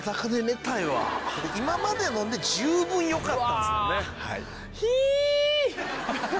今までので十分よかったんですもんね。